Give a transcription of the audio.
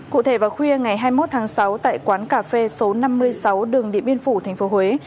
cụ thể vào khuya ngày hai mươi một tháng sáu tại quán cà phê số năm mươi sáu đường địa biên phủ thành phố huế